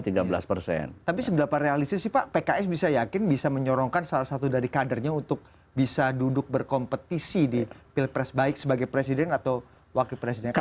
tapi seberapa realistis sih pak pks bisa yakin bisa menyorongkan salah satu dari kadernya untuk bisa duduk berkompetisi di pilpres baik sebagai presiden atau wakil presiden